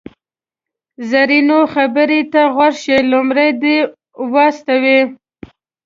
زرینو خبرو ته غوږ شئ، لومړی دې و استوئ.